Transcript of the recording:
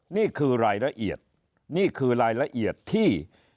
นี่คือรายละเอียดนี่คือรายละเอียดที่